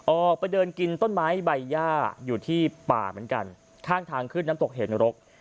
ออกไปเดินกินต้นไม้ใบย่าอยู่ที่ป่าเหมือนกันข้างทางขึ้นน้ำตกเหนรก